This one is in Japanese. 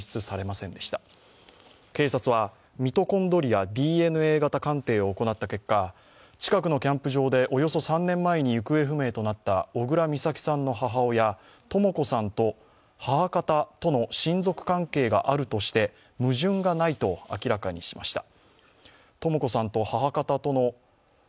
警察は、ミトコンドリアＤＮＡ型鑑定を行った結果、近くのキャンプ場でおよそ３年前に行方不明となった小倉美咲さんの母親・とも子さんと母方の親族関係があるとして矛盾がないと明らかにしました。